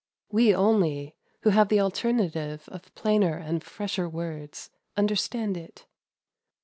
We only, who have the alternative of plainer and fresher words, understand it.